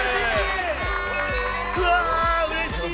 うわーうれしい！